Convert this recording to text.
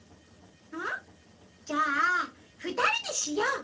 あっじゃあふたりでしよう！